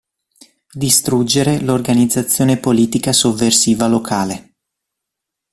Distruggere l’organizzazione politica sovversiva locale.